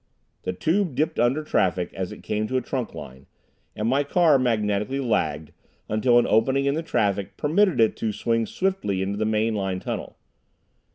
The tube dipped under traffic as it came to a trunk line, and my car magnetically lagged, until an opening in the traffic permitted it to swing swiftly into the main line tunnel.